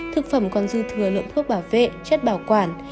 thực phẩm còn dư thừa lượng thuốc bảo vệ chất bảo quản